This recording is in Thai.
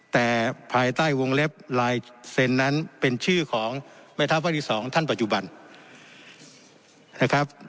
แต่ภายใต้วงเล็บลายเซ็นนั้นเป็นชื่อของแม่ทัพภาคที่๒ท่านปัจจุบันนะครับ